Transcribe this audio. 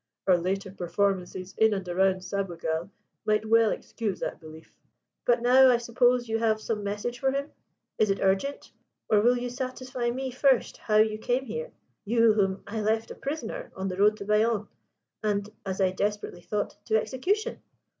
Our later performances in and around Sabugal might well excuse that belief." "But now I suppose you have some message for him. Is it urgent? Or will you satisfy me first how you came here you, whom I left a prisoner on the road to Bayonne and, as I desperately thought, to execution?"